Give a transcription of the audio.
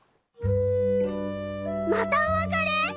またお別れ？